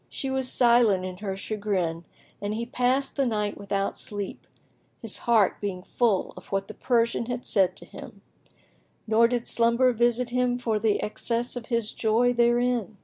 She was silent in her chagrin, and he passed the night without sleep, his heart being full of what the Persian had said to him; nor did slumber visit him for the excess of his joy therein.